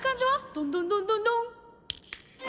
ドンドンドンドンドン！